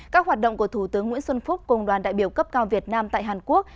các hoạt động của thủ tướng nguyễn xuân phúc cùng đoàn đại biểu cấp cao việt nam tại hàn quốc